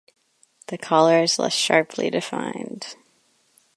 The collar is less sharply defined.